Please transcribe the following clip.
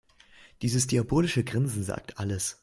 Dieses diabolische Grinsen sagt alles.